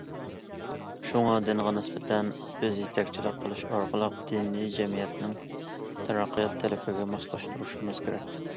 شۇڭا دىنغا نىسبەتەن بىز يېتەكچىلىك قىلىش ئارقىلىق دىننى جەمئىيەتنىڭ تەرەققىيات تەلىپىگە ماسلاشتۇرۇشىمىز كېرەك.